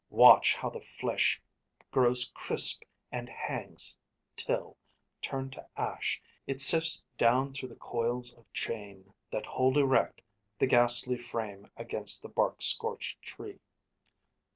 Watch how the flesh Grows crisp and hangs till, turned to ash, it sifts Down through the coils of chain that hold erect The ghastly frame against the bark scorched tree.